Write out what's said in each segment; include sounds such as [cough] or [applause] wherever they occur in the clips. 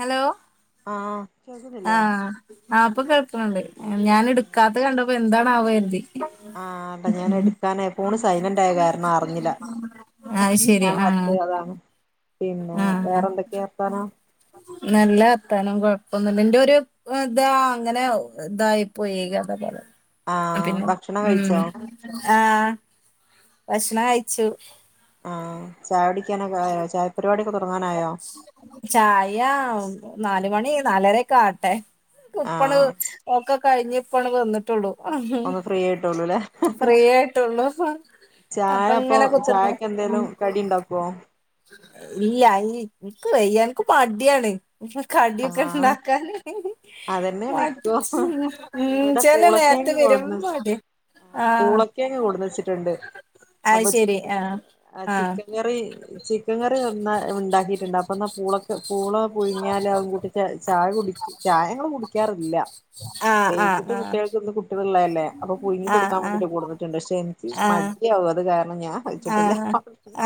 Hello ആ ആ ആ പ്പൊ കേൾക്ക്ണ് ണ്ട് ഞാന്ട്ക്കാത്ത കണ്ടപ്പോ എന്താണാവോര്തി ആ അപ്പ ഞാന് എടുക്കാന പോണ് സൈലന്റ് ആയ കാരണം അറിഞ്ഞില്ല അത് ശരി ഞാൻ ആഹ് റ്റേ അതാണ് പിന്നെ വേറെ എന്തൊക്കെ വർത്താനോ നല്ലർത്താനം കൊഴ് പ്പൊന്നുല്ല ന്റെരു താ അങ്ങനെ ഇതായി പോയക അതേപലെ ആഹ് പിന്നെ ഭക്ഷണം ഉം കഴിച്ചോ ആ ഭക്ഷണം കഴിച്ചു ആ ചായടിക്കാനൊക്കെ ആയോ ചായ പരിപാടൊക്കെ തൊ ചായ നാലുമണി നാലരക്കെ ആട്ടെ ഉപ്പണ് ആഹ് ഒക്കെ കഴിഞ് ഇപ്പണ് വന്ന്ട്ടൊള്ളു ഒന്ന് ഫ്രീ ആയിട്ടൊള്ളൂല്ലേ ഫ്രീ ആയിട്ടുള്ളൂ ചായ അപ്പൊ അപ്പൊങ്ങനെ കുത്ത്ർക്ക്ണ് ചായക്ക് എന്തേലും കടി ഉണ്ടാക്കുവോ ഇല്ല ൻക്ക് വയ്യ ൻക്ക് മടിയാണ് ആഹ് കടിയൊക്കെണ്ടാക്കാന് അതന്നെയാണ് ഇപ്പൊ ഇവിടെ മട്ച്ച്ന്ചെലെ നേ ത് വരുമ്പൊ അതെ പൂളൊക്കേങ്ങ് കൊട്ന്നച്ട്ട്ണ്ട് അത് അപ്പൊ ശരി ചിക്കൻ ആഹ് ആഹ് ചിക്കൻ കറി ചിക്കൻ കറി ഉണ്ടാക്കിട്ടുണ്ട് അപ്പ ന്ന പൂളൊക്ക് പൂള പുഴിങ്ങിയാലോ ചായ കുട് ചായങ്ങൾ കുടിക്കാറില്ല ആഹ് വൈകീട്ട് ആഹ് കുട്ടികൾക്ക് കുട്ടിക ളല്ലേ അപ്പൊ പുഴുങ്ങി ആഹ് കൊട്ക്കാൻ ആഹ് വേണ്ടിട്ട് കൊട്ന്ന്ട്ട്ണ്ട് ക്ഷെ ൻക്ക് മടിയാവ അത് കാ ആ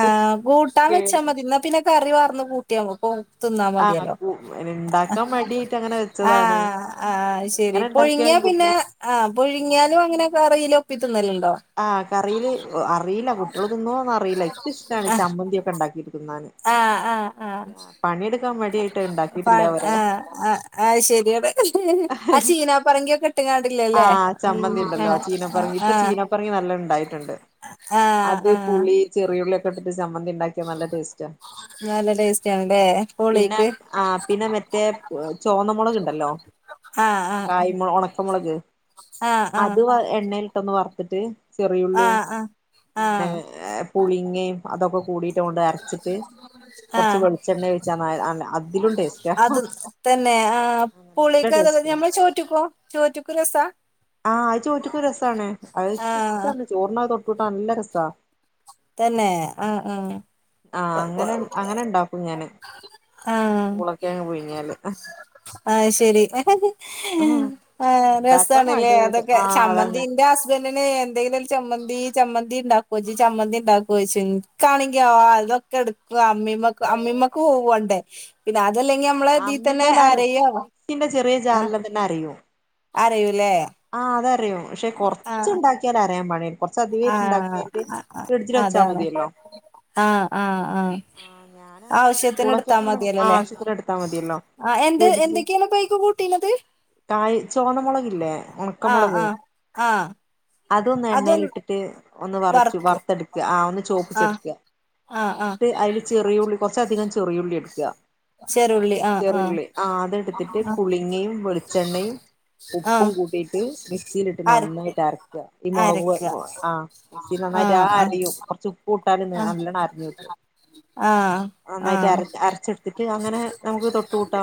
ആ കൂട്ടാൻ വെച്ചാ മതിന്ന പിന്നെ കറി വർന്ന് കൂട്ടിയാ പോ ത്ന്നാ ആ മതിയലൊ ഉണ്ടാക്കാൻ മടിയായിട്ട് അങ്ങനെ ആ വെച്ചതാണ് ആ അയ്ശരി എങ്ങനെ പുഴ്ങ്ങിയ ഉണ്ടാക്കിയാലും പിന്നെ കുട്ടികള് ആ പഴുങ്ങിയാലും അങ്ങനെ കറീല് ഒപ്പി തിന്നല് ആ കറില് അറി ഇല്ല കുട്ടിയള് തിന്നോന്നറിയില്ല ഇൻക്ക്ഷ്ടാണ് ആഹ് ചമ്മന്തി ഒക്കെണ്ടാക്കിട്ട് തിന്നാന് ആ പണിയെടുക്കാൻ മടിയായിട്ട് ഉണ്ടാക്കിയിട്ടില്ല പാൽ വരെ ആ ആ ആ ശരിയാണ് ആ ചീന പറങ്കിയൊക്കെട്ട്ങ്ങാ ണ്ട്ല്ലെ ലെ ആഹ് ചമ്മന്തി ഉണ്ടല്ലോ ചീനപ്പറങ്ങി ഇപ്പൊ ആ ചീനപ്പറങ്ങി നല്ല ഉണ്ടായിട്ടുണ്ട് ആ അത് ആ ആ പുളി ചെറിയുള്ളിയൊക്കെ ഇട്ടിട്ട് ചമ്മന്തിണ്ടാക്കിയാ നല്ല ടേസ്റ്റാ നല്ല ടേസ്റ്റ് ആണല്ലേ പിന്നെ പോളീക്ക് ആ പിന്നെ മറ്റേ ചൊവന്ന മുളക്ണ്ടല്ലോ ആ ആ മൊളക് ആ ആ അത് വ എണ്ണയിലിട്ടൊന്ന് വറ്ത്ത്ട്ട് ആ ആ ചെറിയുള്ളും ആ പിന്നെ പുളിങ്ങയും അതൊക്കെ കൂടി ണ്ട് അരച്ചിട്ട് ആ കുറ്ച്ച് വെളിച്ചെണ്ണ ഒയ്ച്ച ന അ അതിലും ടേസ്റ്റാ അത് തന്നെ ആ നല്ല പുളിക്ക് അത ടേസ്റ്റാ നമ്മൾ ചോറ്റക്കോ ചോറ്റക് രസ ആഹ് അത് ചോറ്റക്കു രസാണ് അത് ആ ഇഷ്ട ചോർണ അ തൊട്ട്ട്ടാ നല്ല രസാ തന്നെ ആ ആ അങ്ങനെ അങ്ങനെ ഇണ്ടാക്കും ഞാന് ആഹ പൂളക്കിഴങ്ങ് പുഴുങ്ങിയാല് ആഹ് ശരി ആഹ് ആ ഇണ്ടാക്കാൻ രസാണല്ലേ മടിയായത് അതൊക്കെ ആഹ് അതാണ് ചമ്മന്തി ന്റെ ഹസ്ബൻഡറ് ന് എന്തെലും ഒര് ചമ്മന്തി ചമ്മന്തി ഉണ്ടാക്കോ ജി ചമ്മന്തി ഉണ്ടാക്കോച്നിക്കാ ആണെങ്കി ആതൊക്കെ എടുക്കും അമ്മീമ്മ അമ്മീമ്മക്ക് പോവണ്ടേ പിന്നെ അതല്ലെങ്കി നമ്മള നീ തന്നെ അമ്മിമ്മലറി ആരെയ്യോ മിക്സിന്റെ ചെറിയ ജാറിൽ തന്നെ അറിയോ അരയൂലേ അത്രവും പക്ഷെ കുറച്ച് ആഹ് ഉണ്ടാക്കിയാൽ അരിയൻ പണില്ല കുറ അധികമായിട്ട് ആഹ് ഉണ്ടാക്കിയട്ട് ഫ്രിഡ്ജിൽ വെച്ചാൽ മതിയല്ലോ ആ ആ ആ ആഹ് ഞാനങ്ങനെ ആവശ്യത്തിന് പൂളൊക്കെ എടുത്താ മതിയല്ലോല്ലേ ആവശ്യത്തിന് എടുത്താ മതിയല്ലോ ആ എന്ത ഫ്രിഡ്ജ് എന്തൊക്കെയാണ് പൈക്ക് കൂട്ടീത് കായ് ചോന്ന മുളകില്ലേ ഉണ ആ ആ ആ അതൊന്ന് എണ്ണൽ ഇട്ടിട്ട് ഒന്ന് വറച്ചു വർക്ക് വറുത്തെടുക്ക ആ ഒന്ന് ആ ചോപ്പിച്ചെടുക്ക ആ ആ എന്നിട്ട് അതില് ചെറിയുള്ളി കുറച്ചധികം ചെറിയുള്ളി എടുക ചെറുള്ളി ആ ആ ചെറിയുള്ളിആ അതെടുത്തിട്ട് ആ പുളിങ്ങയും വെളിച്ചെണ്ണയും ആ ഉപ്പും കൂട്ടിയിട്ട് മിക്സിയിലിട്ട് അരക്ക് നന്നായിട്ട് അരക്ക ഈ മുളക് അരക്ക ആ മിക്സിൽ നന്നായിട്ട് ആ അരയും കൊർച് ഉപ്പും ഇട്ടാൽ ആ നല്ലണം അറഞ്ഞിട്ടും ആ ആ ഒന്നായിട്ട് അര അരച്ചാടുത്ത് ട്ട് അങ്ങനെ നമുക്ക് തൊട്ട് കൂട്ടാ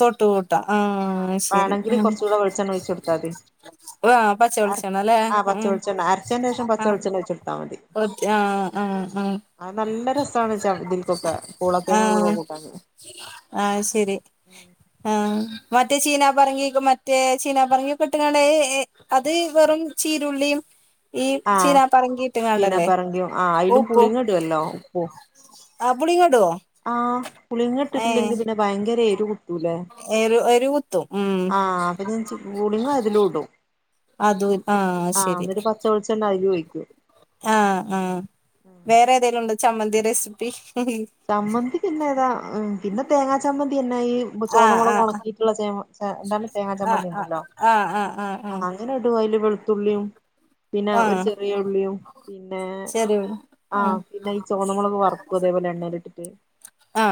തൊട്ട് കൂട്ടാ ആ ശരി വേണെങ്കില് ഉം കൊറച്ചുകൂടെ വെളിച്ചെണ്ണ ഒഴിച്ച കൊടുത്താതി ആ പച്ച വിളിച്ചണല്ലേ ഉം വെളിച്ചെണ്ണ അരച്ചതിന് ശേഷം ആ പച്ച വെളിച്ചെണ്ണ ഒഴിച്ച് കൊടുത്താൽ മതി [unintelligible] ആ ആ ആ അത് നല്ല രസണ് ച ഇതിൽക്കൊക്കെ പൂളക്കേങ്ങൊക്കെ ആ കൂട്ടാൻ ആഹ് ശരി ആ മറ്റേ ചീനാ പറങ്ങി മറ്റേ ചീനാ പറങ്ങിക്കെ ഇട്ടണ്ട അത് വെറും ചീരുള്ളിയും ഈ ആ ചീനാ പറങ്ങിയിട്ട്ങ്ങണ്ടല്ലേ ചീനപ്പറങ്കിയും ആ അതിലും ഉപ്പു പുളിങ്ങ ഇടുവല്ലോ ആ പുളികടോ ആ പുളിങ്ങ ഇട്ടിട്ടില്ലെങ്കിൽ പിന്നെ ഭയങ്കര എരു കുത്തൂലേ എരു എരു കുത്തും ഉം ആഹ് അപ്പൊ ഞാൻ ചി പുളിങ്ങ അതിലും ഇടും അതും ആഹ് ശരി എന്നിട്ട് പച്ച വെളിച്ചെണ്ണ അതിലും ഒഴിക്കും ആ ആ വേറെ ഏതെങ്കിലും ഉണ്ടോ ചമ്മന്തി റെസിപ്പി ചമ്മന്തി പിന്നെ ഏതാ പിന്നെ തേങ്ങാ ചമ്മന്തി തന്നെ ഈ ആഹ് ചോന്നമള ആഹ് ഉണക്കിട്ടുള്ളേ ചെ എന്താല തേങ്ങാ ആഹ് ചമ്മന്തി ഉണ്ടല്ലോ ആഹ് ആഹ് ആഹ് ആഹ് ആ ആഹ് അങ്ങനെ ഇടു അതില് വെളുത്തുള്ളിയും പിന്നെ ഒരു ആഹ് ചെറിയ ഉള്ളിയും പിന്നെ ചെറിയ ഉള്ളി ആ ആഹ് പിന്നെ ഈ ചുവന്നമ്മളൊക്കെ വറുത്തും അതേപോലെ എണ്ണൽ ആ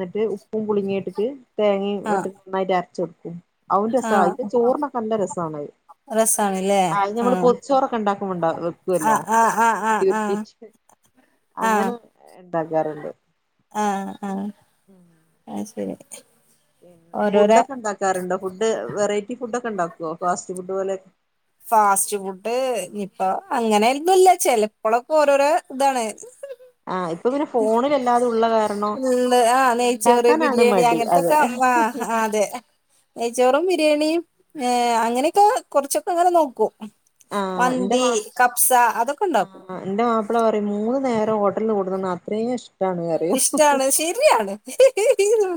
എന്നിട്ട് ഉപ്പും പുളുങ്ങി ഇട്ടിട്ട് തേങ്ങയും ആഹ് ഇട്ട് നന്നായിട്ട് അരച്ചെടുക്കും അഹും ആഹ് രസന്റെ ചോറിനക്കെ നല്ല രസമാണ്ത് രസാണ്ല്ലേ ആ നമ്മള് ആഹ് പൊറച്ചോറൊക്കെ ഉണ്ടാക്കുമ്പണ്ട വെക്കുവല്ലോ ആഹ് ആഹ് ആഹ് ആഹ് ഉരുട്ടി വെ അങ്ങനെ ഇണ്ടാക്കാറുണ്ട് ആ ആ ആഹ് ശരി പി ഓരോരോ ഫുഡ്ഡൊക്കെ ഇണ്ടാക്കാറുണ്ടോ ഫുഡ് വെറൈറ്റി ഫുഡ് ഒക്കെ ഇണ്ടാക്കുവോ ഫാസ്റ്റ് ഫുഡ് പോലെയൊക്കെ ഫാസ്റ്റ് ഫുഡ് ഇനിപ്പ അങ്ങനെന്നും ഇല്ല ചെലപ്പോഴൊക്കെ ഓരോരോ ഇതാണ് ആഹ് ഇപ്പൊ പിന്നെ ഫോണിലെല്ലാതും ഉള്ള കാരണം ഉം ആ നെയ്ച്ചോറ് ഇണ്ടാക്കാനാണ് ബിരിയാണി മടി അതെ അങ്ങനത്തൊക്കെ ആ അതെ നെയച്ചോറും ബി ബിരിയാണിയ എ അങ്ങനെയൊക്കെ കുറച്ചൊക്കെ അങ്ങനെ നോകും ആ എന്റെ മാ മ് അതൊക്കെ ഉണ്ടാക്കും ആ എന്റെ മാപ്പിള പറയും മൂന്ന് നേര ഹോട്ടലിൽ നിന്ന് കൊടന്ന് തന്ന അത്രീം ഇഷ്ടാണ് ശരിയാണ്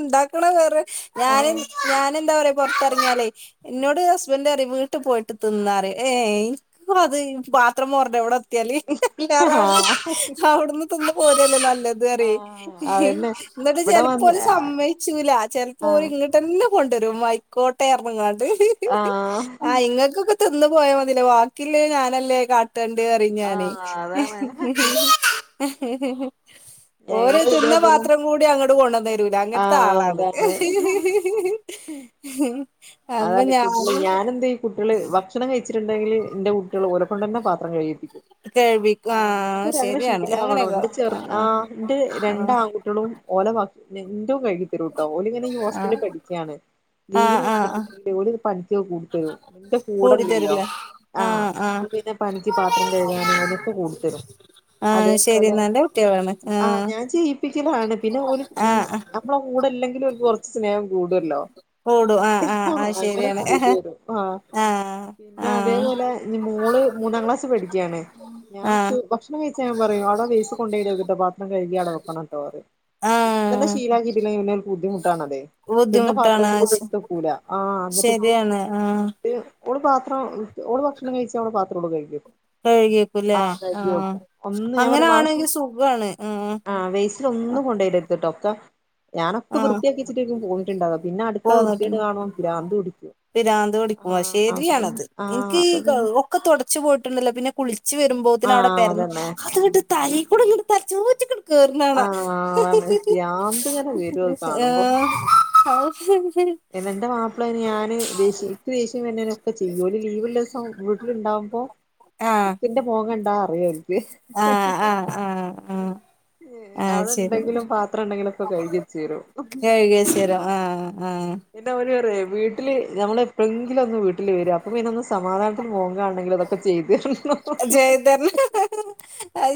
ഇണ്ടാക്കണ വേറെ ഞാൻ ആഹ് ഞാനെന്താ പറയാ പുറത്തിറങ്ങിയാലേ ഇന്നോട് ഹസ്ബന്റ് പറയിം വീട്ടിൽ പോയിട്ട് തിന്നാറ്ഏ എനിക്ക അത് പാത്രം മോറാണ്ട ഇവിടെ ത്തിയാൽ ആയിലെറ ആഹ് അവിടന്ന് തിന്ന് പോരല്ലോ നല്ല പറയ് ആഹ് അതന്നെ എന്നിട്ട് ഇവിടെ വന്ന് ചിലപ്പോല് സമ്മയ്ച്ചൂല ചിലപ്പോല ആഹ് ഇങ്ങോട്ടന്ന പോ കൊണ്ടരും ആയിക്കോട്ടെ ഇറങ്ങാണ്ട് ആഹ് ആ ഇങ്ങൾക്കൊക്കെ തിന്ന് പോയാ മതില്ലേ വാക്കില്ലേ ഞാനല്ലേ കാ ട്ടണ്ടറിം ഞാനേ ആഹ് അതാണ് ഓല് ഞങ്ങള് തിന്ന ഇതേപോലെ പാത്രം കൂടി അങ്ങട്ട് കൊണ്ടന്ന് ടൂല അങ്ങൻത്തെ ആഹ് ആളാണ് അതാണ് അപ്പൊ അതാണ് കുട്ടിള് ഞാന് ഞാനെന്താ ഈ കുട്ടിള് ഭക്ഷണം കഴിച്ചിട്ടുണ്ടെങ്കില് ന്റെ കുട്ട്യാള് ഓലൊ കൊണ്ടെന്നെ പാത്രം കഴികിപ്പിക്കും ആ ഞാൻ പറയ അങ്ങനെ ശീലാവണം ന്റെ ചെർ ആ ന്റെ രണ്ട് ആൺകുട്ട്യാളും ഓലെ പാ ന്റേം കഴുകി തരൂട്ടോ ഓലിങ്ങനെ ഈ ആ ഹോസ്റ്റലിൽ പഠിക്ക്യാണ് ആ ലീവിന് ആ ആ വന്നിട്ട് ഓല് പണിക്കൊക്കെ കൂടിത്തരും ന്റെ കൂടി കൂടെല്ലല്ലോ തരില്ല ആ അപ്പ പിന്നെ പണിക്ക് പാത്രം കഴുകാനും അതൊക്കെ കൂടിത്തരും ആ അത് ശെരി അതേപോലെ നല്ല കുട്ട്യാളാണ് ആ പ്പിക്കലാണ് പിന്നെ ഓല് ആ ആ ഞമ്മളെ കൂടെല്ലെങ്കിലും ഓൽക്ക് കൊർച്ച് സ്നേഹം കൂടല്ലോ കൂടും ആ ആ അങ്ങനെ ശരിയാണ് ചെയ്തെരും ആ പിന്നെ ആ അതേപോലെ ന്റെ മോള് മൂന്നാം ക്ലാസ് പഠിക്ക ഞാൻ ആ ഭക്ഷണം കഴിച്ച ഞാൻ പറയും അവിടെ വേസ്റ്റിൽ കൊണ്ടോയിടെര്ത് ട്ടോ പാത്രം കഴുകി അവിടെ വെക്കണം ട്ടോ പറയും ആ ഇപ്പത്തെന്നെ ശീലാക്കിട്ടില്ലെങ്കില് പിന്നെ ഓൽക്ക് ഒരു ബുദ്ധിമുട്ടാണത് തിന്ന ബുദ്ധിമുട്ടാണ് പാത്രം ആ കൂടെ ശ- ഇട്ത്തെക്കൂല ആ ന്ന്ട്ട്പ്പോ ആ ഓള് പാത്രം ഓള് ഭക്ഷണം കഴിച്ചാ ഓളെ പാത്രം ഓള് കഴുകിയെക്കും കഴുകിയേക്കുംല്ലേ ആ കഴുകി ആഹ് വെക്കും ഒന്ന് ഞാൻ പറയും വാഷ് അങ്ങനാണെങ്കി സുഖാണ് ആഹ് ആ വേ ഒന്നും കൊണ്ടോയിടര്ത്ട്ടോ ഒക്കെ ഞാനൊക്കെ ആഹ് വൃത്തിയാക്കി വെച്ച്ട്ടെരിക്കും പോന്ന്ട്ട്ണ്ടാവ പിന്നെ അടുക്കള വൃത്യേട് പോന്നിട്ടുണ്ട് കാണുമ്പോ പിരാന്ത് പിടിക്കും പിരാന്ത് പിടിക്കും ആഹ് അത് ശെരിയാണത് ആഹ് ഇൻക്കീ അത് ഒക്കെ തൊടച്ച് പോയിട്ട്ണ്ടല്ലോ പിന്നെ കുളി ച്ച് വെരുമ്പോത്തിന് അവിടെ ആഹ് പെരന്നു അതന്നെ അത്ട്ട് തലീക്കുടെങ്ങട്ട് തലചോറ്റ്ക്ക്ങ്ങ കേർണാണ ആഹ് അതാണ് ഭ്രാന്ത് ഇങ്ങനെ വരും അത് ആ ന്റെ മാപ്പള അയ്ന് ഞാന് ദേഷ്യം ഇക്ക് ദേഷ്യംവെര്നെന് ഒക്കെ ചെയ്യും ഓല് ലീവ്ള്ളസം വീട്ട്ല്ണ്ടാ പ്പോ ഇക്കിന്റെ മോകണ്ടാ ആ ആ ആ ആ അവിടെണ്ടെങ്കിലും പാത്രണ്ടെങ്കിലൊക്കൊ കെഴുകിച്ചെരും കഴുകിയ ശേരം ആഹ് ആഹ് പിന്നെ ഓല് പറയിം വീട്ടില് നമ്മള് എപ്പോഴെങ്കിലൊന്ന് വീട്ടില് വെരും അപ്പൊ പിന്നൊന്ന് സ് തരണം [unintelligible] അത്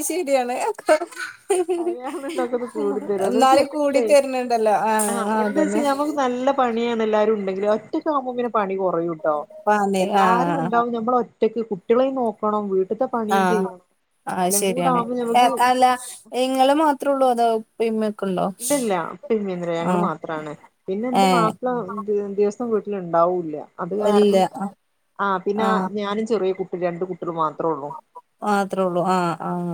ശെരിയാണ് അയാണ്ന്നൊക്കെ ഒന്ന് കൂടി തരും അത് വെച്ച് ന്നാലും കൂടി അല്ലെങ്കിലേ തെര്ണ് ണ്ടല്ലോ ആ ആഹ് എന്താച്ചാ അതെന്നെ ഞമ്മക്ക് നല്ല പണിയാണെല്ലാ രുണ്ടെങ്കില് ഒറ്റക്കാവുമ്പോ പിന്നെ പണി കൊറയുട്ടോ പാന് എല്ലാരും ആഹ് ണ്ടാവും ഞമ്മള് ഒ റ്റക്ക് കുട്ടിളെയും നോക്കണം വീട്ട്ത്തെ പണിയും ആഹ് ചെയ്യണം എല്ലാം കൂടാകുമ്പോ ഞമ്മക്ക് ല്ല ഇങ്ങള് മാത്രേ ഉള്ളു അതൊ ഉപ്പേം ഉമ്മേം ഇല്ല ഇല്ല ഉപ്പേം ഉമ്മ ഒന്നും ഇല്ല ഞങ്ങള് മാത്രാണ്. പിന്നെ എന്റെ ഏഹ് മാപ്പിള ദി ദിവസ വും വീട്ടിൽ ഇണ്ടാവൂല്ല അത് ഇല്ല കാരണം ആഹ് ആഹ് പിന്നാ ഞാനും ചെറിയ കുട്ടീം രണ്ട് കു ട്ടിയള് മാത്രൊള്ളൂ മാത്രേ ഉള്ളൂ ആഹ് ആഹ്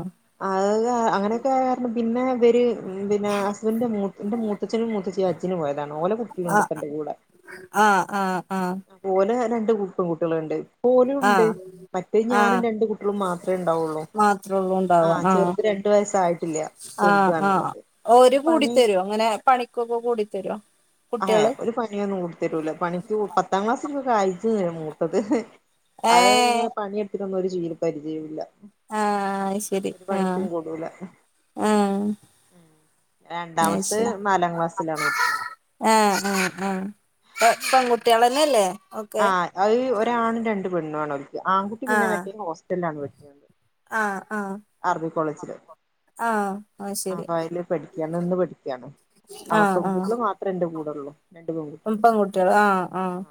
അഹ് ആഹ് അങ്ങനേക്കായ കാരണം പിന്ന ഇവര് ഇം പിന്നാ ഹസ്ബന്റിന്റെ മൂത് എന്റെ മൂത്തച്ഛനും മൂത്തച്ചിയും ഹജ്ജിന് പോയതാണ് ഓലെ കുട്ടികളുണ്ട് ഇപ്പൊ എന്റെ കൂടെ. ആഹ് ആഹ് ആഹ് ആഹ് ഓലെ രണ്ട്കു പെൺകുട്ടികളിണ്ട്. ഇപ്പോലും ഉണ്ട്. ആഹ് മറ്റേ ഞാനും ആഹ് രണ്ട് കുട്ടികളും മാത്രേ ഇണ്ടാവുള്ളൂ. മാത്രേ ഉള്ളൂ ഉണ്ടാവ ആഹ് ചെറ്ത് ര രണ്ട് വയസായിട്ടില്ല്യാ ആഹ് ചെറുത്ണ് ആഹ് ഒള്ളത് ഓര് പിന്നെ പണി കൂടിത്തരോ അങ്ങനെ പണിക്കൊക്കെ കൂടിത്തരോ ആഹ് കുട്ട്യാള് ഒര് പണിയൊന്നും കൊടുത്തിട്ട് ഇല്ല പണിക്ക് പത്താം ക്ലാസ്സിൽ ആയിട്ട ഒള്ളു മൂത്തത് അത് ഏഹ് ഇങ്ങനെ പണിയെടുത്തിട്ടൊന്നും ഒര് [unintelligible] പരിചയാമില്ല ആഹ് ശരി ആഹ് കൂടൂല ആഹ് അത് രണ്ടാമത്തെ ശരി നാലാം ക്ലാസ്സിലാണ് പഠിക്ക്യണത് ആഹ് ആഹ് ആഹ് പെ പെൺകുട്ടികള് തന്നെ അല്ലേ ആ അത് ഒരാണും രണ്ട് പെണ്ണുവാണ് ഓൽക്ക്, ആൺകുട്ടി പിന്നെ ആഹ് മറ്റേ ഹോസ്റ്റലിലാണ് പഠിക്കണത്. ആഹ് ആഹ് അർബി കോളേജില് ആഹ് അത് ശരി [unintelligible] പഠിക്കാണോ അവ പെൺകൂട്ടികള് മാത്രം എന്റെ കൂടേ തും പെൺകുട്ടികള് ആഹ് ആഹ്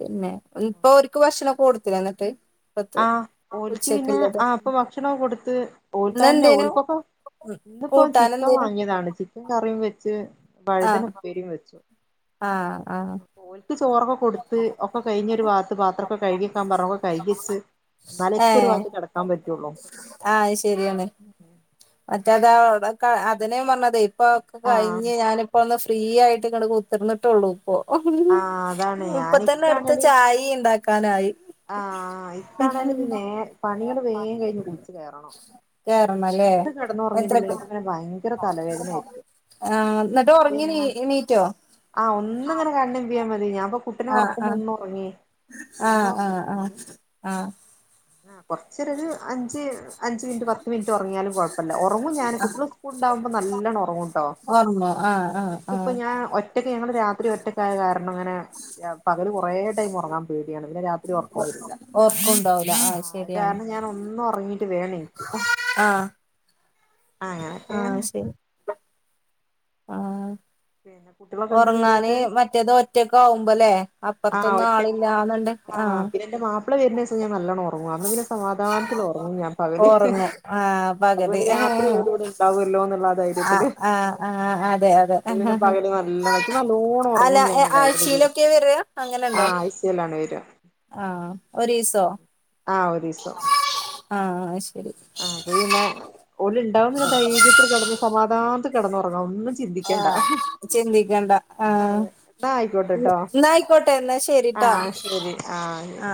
പിന്നെ ഇപ്പൊ ഒരക്ക് ഭക്ഷണം കോടുത്തില്ലോ എന്നിട്ട് ഇപ്പത്തെ ആഹ് ഓലക്ക് പിന്നെ ഉച്ചക്ക്ള്ളത് ആഹ് ഇപ്പൊ ഭക്ഷണോ കൊടുത്ത് ഒള്ക്കായിന്റ ഇന്നെന്തേനു ഓൽക്കൊക്കെ ഇന്ന് ഇപ്പോ ചിക്കൻ കൂട്ടാനെന്തേനു വാങ്ങിയതാണ് ചിക്കൻ കറിയും വെച്ച് വഴ്താനാ ആഹ് ഉപ്പേരിയും വെച്ചു ആഹ് ആഹ് ഓൽക്ക് ചോറൊക്കെ കൊടുത്ത് ഒക്കെ കഴിഞ്ഞ് ഒര് ബാത്ത് പാത്രമൊക്കെ കഴ്കിവേക്കാൻ പറഞ്ഞ് [unintelligible] കഴികി വേച്ച് എന്നാലേ എക്ക് ഒര് ബാത്ത് കേടക്കാൻ പറ്റുള്ളൂ [unintelligible] ശെരിയാണ് അടുത്തെ ദാ [unintelligible] അതന്നെ ഞാൻ പറഞ്ഞത് ഇപ്പൊ ആഹ് കഴിഞ്ഞ് ഞാനി ഇപ്പോം ഒന്ന് ഫി ഫ്രീ ആയിട്ട് [unintelligible] ഒള്ളു ഇപ്പൊ ആഹ് അതാണ് ഞാൻ ഇപ്പം തന്നെ അട്ത്താ ഇക്കാണേല് ചായേ ഇണ്ടാ ക്കാനായി ആഹ് ഇപ്പോ ആണേല് നേർ പണികള് വേഗം കഴിഞ്ഞ് കുളിച്ച് കേയറണം കേറാണം അല്ലെ ഉറങ്ങിയിട്ടില്ലേ പിന്നെ എനിക്ക് ബയങ്കര തലവേദന ആരിക്കും ആഹ് എന്നിട്ട് ഉറങ്ങി [unintelligible] നീ ഞാൻ എണീറ്റോ ആഹ് ഒന്ന് [unintelligible] ക്കിയാമതി ഞാൻപ്പൊ കുട്ടിനെ ആഹ് ഒറക്കുമൊ ആഹ് ഒന്നൊറങ്യേയ് ആഹ് ആഹ് ആഹ് ആഹ് ആഹ് കൊറച്ചോര് അഞ്ച് അഞ്ച് മിനിറ്റ് പത്ത് മിനിറ്റ് ഒറങ്ങിയാലും കൊഴപ്പം ഇല്ല ഒറങ്ങും ഞാൻ കുട്ടികളേ സ്കൂള് ഒണ്ടാവകുമോ നല്ലോണ്ണം ഒറങ്ങുട്ടോ ഓർമ്മോ ആഹ് ആഹ് എന്നിട്ട് ഇപ്പോ ആഹ് ഞാൻ ഒറ്റ [unintelligible] ഒറ്റയ്ക്ക് ഞങ്ങള് രാത്രി ഒറ്റക്കായ്യാ കാരണം അങ്ങനെ പകല് കൊറേ ടൈം ഒറങ്ങാൻ പേടിണ് പിന്നെ രാത്രി ഒറക്കം വേരു ഒറക്കും ഉണ്ടാവുല്ലാ ആഹാ ശെരിയാണ് വേണം എനിക്ക് അങ്ങനൊക്കെ ആഹ് ശരി ആഹ് പിന്നെ കുട്ടികളൊക്കെ എന്താ ഒറങ്ങാന് ചെയ്യണത് മറ്റേത് ഒറ്റാക്ക് ആവുമ്പാലേ ആ അപ്പറത്തൊന്നും ഒറ്റ ആളില്ലന്ന് ഒണ്ട് ആ ആഹ് പിന്നെ എന്റെ മാപ്പിള വരുന്ന ദിവസം ഞാൻ നല്ലോണം ഒറങ്ങു അന്ന് പിന്നെ സമാധാനത്തില് ഒറങ്ങും ഞാൻ പകല് ഒറങ്ങും [unintelligible] ആഹ് പകല് രാത്രി ആഹ് ജോലി ഒന്നും ഒണ്ടാവുല്ലോ എന്നാ ധൈര്യത്തില് ആഹ് ആഹ് അതെ അതെ പകല് നല്ലോണക്ക് ലോണും അല്ല ഒറങ്ങും ഞാന് [unintelligible] ദെവസം ആഴ്ചയിലൊക്കെ വരാ ആഹ് അങ്ങനെണ്ടോ ആഴ്ചയിലാണ് വേര്കാ ആഹ് ഒരിസോ ആഹ് ഒരിസം ആഹ് ശ ആഹ് അത് പിന്നെ ഒല് ഇണ്ടാവും പിന്നെ ധൈര്യത്തി കേടന്ന് സമാധാനത്തി കേടന്ന ഒറങ്ങാം ഒന്ന് ആഹ് ചിന്തിക്കേണ്ടാ ആഹ് അതെ എന്നാ ആയിക്കോട്ടെട്ടോ എന്നാ ആയിക്കോട്ടെ എന്ന ശെരി ആഹ് ശേരി ആഹ് ശെരി